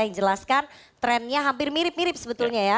ini saya jelaskan trennya hampir mirip mirip sebetulnya ya